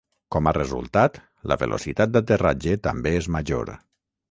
Com a resultat, la velocitat d'aterratge també és major.